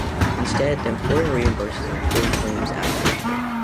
Instead, the employer reimburses employee claims as they occur.